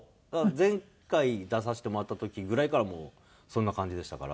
前回出させてもらった時ぐらいからもうそんな感じでしたから。